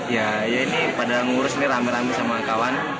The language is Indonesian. ya ini pada ngurus ini rame rame sama kawan